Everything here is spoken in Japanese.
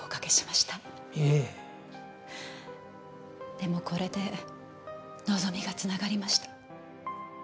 でもこれで望みが繋がりました。